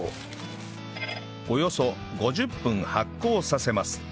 およそ５０分発酵させます